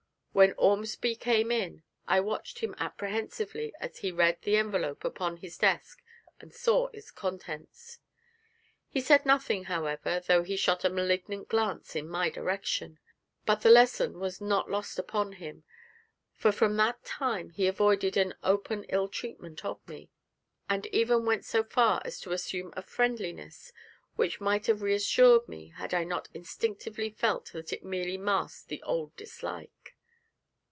When Ormsby came in, I watched him apprehensively as he read the envelope upon his desk and saw its contents. He said nothing, however, though he shot a malignant glance in my direction; but the lesson was not lost upon him, for from that time he avoided all open ill treatment of me, and even went so far as to assume a friendliness which might have reassured me had I not instinctively felt that it merely masked the old dislike.